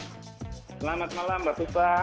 selamat malam mbak tuta